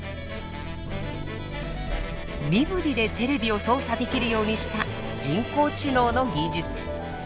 身振りでテレビを操作できるようにした人工知能の技術。